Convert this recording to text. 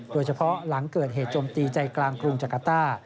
โดยเฉพาะหลังเกิดเหตุจมตีใจกลางกรุงจังกะต้า